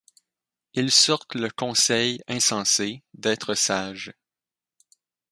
Il sorte le conseil insensé d'être sage ;;